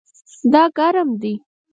دا ګرم دی